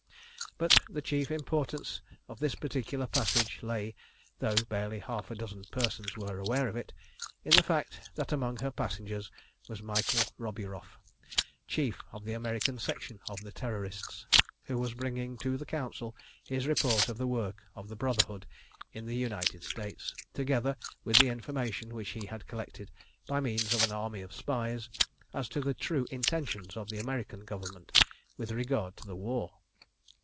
But the chief importance of this particular passage lay, though barely half a dozen persons were aware of it, in the fact that among her passengers was Michael Roburoff, chief of the American Section of the Terrorists, who was bringing to the Council his report of the work of the Brotherhood in the United States, together with the information which he had collected, by means of an army of spies, as to the true intentions of the American Government with regard to the war.